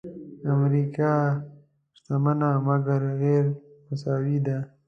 امریکا شتمنه مګر غیرمساوي ده.